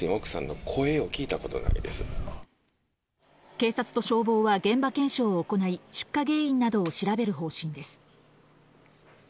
警察と消防は現場検証を行い、出火原因などを調べる方針です。